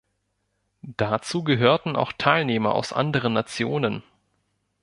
Dazu gehörten auch Teilnehmer aus anderen Nationen.